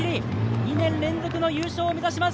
２年連続の優勝を目指します。